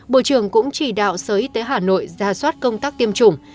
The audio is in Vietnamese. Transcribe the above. bộ trưởng cũng chỉ đạo sở y tế hà nội ra soát công tác tiêm chủng